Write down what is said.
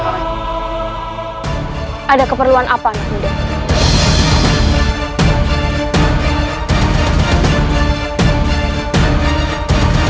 ada keperluan apa nek muda